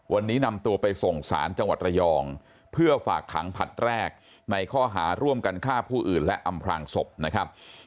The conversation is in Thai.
วันนี้นำตัวไปส่งสารจังหวัดระยองเพื่อฝากขังผลัดแรกในข้อหาร่วมกันฆ่าผู้อื่นและอำพลางศพนะครับ